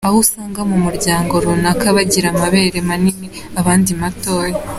Aho usanga mu muryango runaka bagira amabere manini, abandi matoya.